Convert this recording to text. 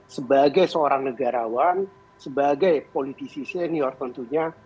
sebagai seorang negarawan sebagai politisi senior tentunya